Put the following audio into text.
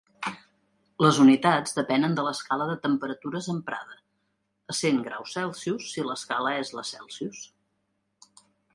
Les unitats depenen de l'escala de temperatures emprada, essent °C si l'escala és la Celsius.